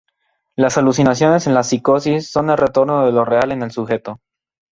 Las alucinaciones en la psicosis son el retorno de Lo Real en el Sujeto.